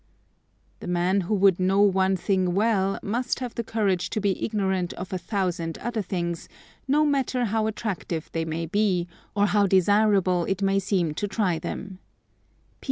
The man who would know one thing well, must have the courage to be ignorant of a thousand other things, no matter how attractive they may be, or how desirable it may seem to try them.